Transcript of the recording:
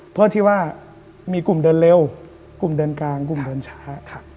เพื่อที่ว่ามีกลุ่มเดินเร็วกลุ่มเดินกลางกลุ่มเดินช้า